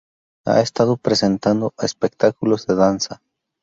Ha estado presentando espectáculos de danza.